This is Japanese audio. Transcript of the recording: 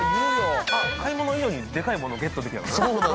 買い物以上にでかいものをゲットできたな。